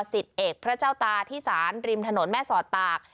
สิบเอกพระเจ้าตาที่ศาลริมถนนแม่สอดตาก